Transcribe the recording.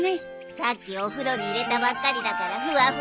さっきお風呂に入れたばっかりだからふわふわよ。